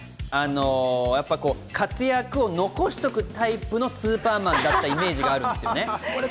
活躍を残すタイプのスーパーマンのイメージがあるんですよね。